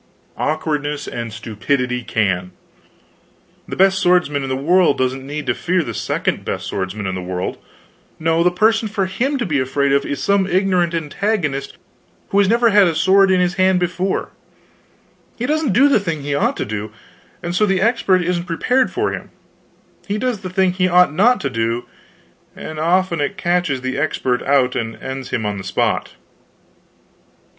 Awkwardness and stupidity can. The best swordsman in the world doesn't need to fear the second best swordsman in the world; no, the person for him to be afraid of is some ignorant antagonist who has never had a sword in his hand before; he doesn't do the thing he ought to do, and so the expert isn't prepared for him; he does the thing he ought not to do; and often it catches the expert out and ends him on the spot.